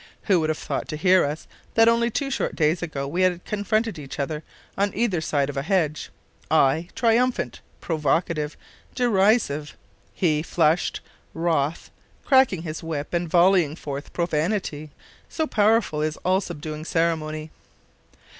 (Who would have thought, to hear us, that only two short days ago we had confronted each other on either side of a hedge, I triumphant, provocative, derisive; he flushed, wroth, cracking his whip, and volleying forth profanity? So powerful is all subduing ceremony!)